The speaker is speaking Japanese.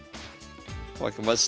負けました。